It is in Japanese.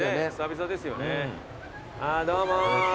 ああどうも。